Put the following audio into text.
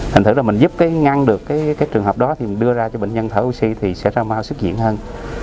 thành thử là mình giúp cái ngăn được các trường hợp đó thì mình đưa ra cho bệnh nhân thở oxy thì sẽ ra mau sức diễn hơn